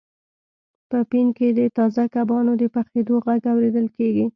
په پین کې د تازه کبانو د پخیدو غږ اوریدل کیږي